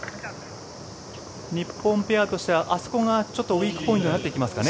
日本ペアとしてはあそこがウィークポイントになってきますかね。